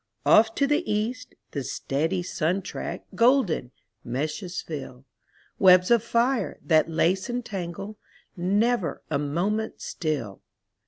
Off to the East the steady sun track Golden meshes fill — Webs of fire, that lace and tangle, Never a moment still.